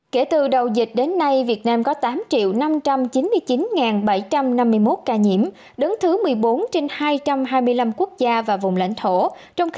kể từ đầu dịch đến nay việt nam có tám năm trăm chín mươi chín bảy trăm năm mươi một ca nhiễm đứng thứ một mươi bốn trên hai trăm hai mươi năm quốc gia và vùng lãnh thổ